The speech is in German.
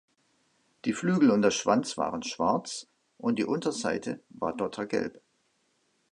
Die Flügel und der Schwanz waren schwarz und die Unterseite war dottergelb.